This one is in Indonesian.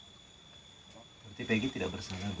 berarti pg tidak bersalah